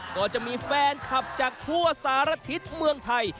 ก็จะมีแฟนคลับจากทั่วสารทิศเมืองไทย